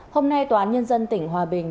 hôm nay tòa án nhân dân tỉnh hòa bình